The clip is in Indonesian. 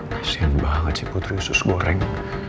kasian banget sih putri khusus goreng